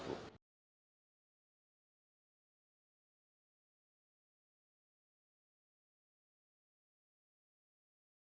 tiga menjaga keamanan negara